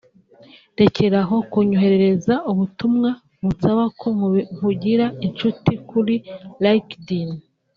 rekeraho kunyoherereza ubutumwa bunsaba ko nkugira incuti kuri LinkedIn